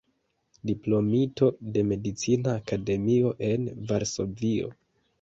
Diplomito de Medicina Akademio en Varsovio.